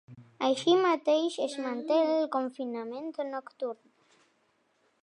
Així mateix, es manté el confinament nocturn.